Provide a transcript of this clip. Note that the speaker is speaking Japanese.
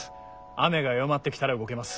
雨が弱まってきたら動けます。